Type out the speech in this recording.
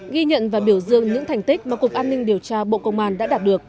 ghi nhận và biểu dương những thành tích mà cục an ninh điều tra bộ công an đã đạt được